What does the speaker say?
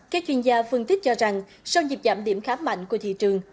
các chuyên gia phân tích cho rằng sau nhịp giảm điểm khá mạnh của thị trường